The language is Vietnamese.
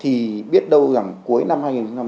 thì biết đâu rằng cuối năm hai nghìn một mươi chín